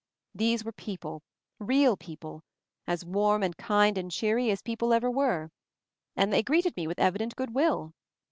These were people, real people, as warm and kind and cheery as people ever were; and they greeted me with evident good will.